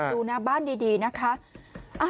ดูบ้านดีนะคะ